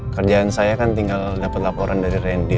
kerjaan saya kan tinggal dapet laporan dari reni